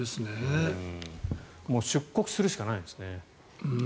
出国するしかないですね。